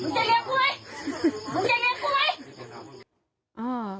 มึงจะให้เหรียญกูไหมมึงจะเหรียญกูไหม